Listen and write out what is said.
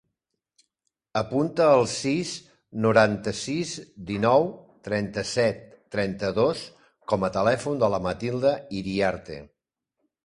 Apunta el sis, noranta-sis, dinou, trenta-set, trenta-dos com a telèfon de la Matilda Iriarte.